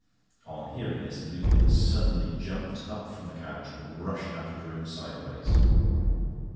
On hearing this, Lupin suddenly jumped up from the couch and rushed out of the room sideways.